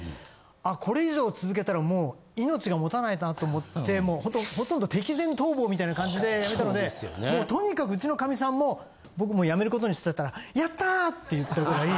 これ以上続けたらもう命が持たないなと思ってほんとほとんど敵前逃亡みたいな感じで辞めたのでもうとにかくうちのカミさんも「僕もう辞めることにした」って言ったら「やった！」って言ったぐらい。